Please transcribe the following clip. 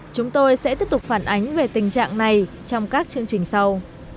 chúng tôi sẽ tiếp tục phản ánh về tình trạng này trong các chương trình sau